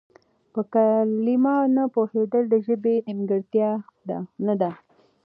په کلمه نه پوهېدل د ژبې نيمګړتيا نه ده.